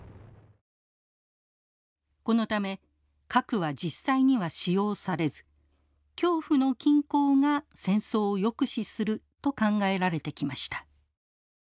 このため核は実際には使用されず恐怖の均衡が戦争を抑止すると考えられてきました。